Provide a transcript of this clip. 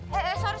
pergi why leng